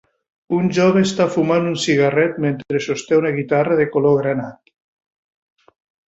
Un home jove està fumant un cigarret mentre sosté una guitarra de color granat.